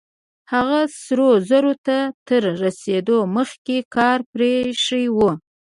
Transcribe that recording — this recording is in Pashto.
هغه سرو زرو ته تر رسېدو مخکې کار پرېښی و.